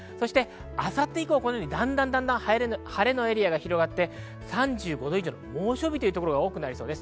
明後日以降、だんだん晴れのエリアが広がり、３５度以上の猛暑日という所が多くなりそうです。